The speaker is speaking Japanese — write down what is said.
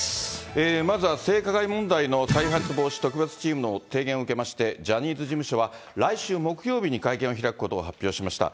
まずは性加害問題の再発防止特別チームの提言を受けまして、ジャニーズ事務所は来週木曜日に会見を開くことを発表しました。